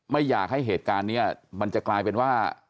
ไม่อยากให้เหตุการณ์นี้มันจะกลายเป็นว่า